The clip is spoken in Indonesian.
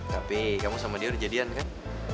tapi kamu sama dia udah jadian kan